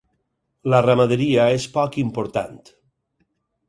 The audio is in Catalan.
La ramaderia és poc important.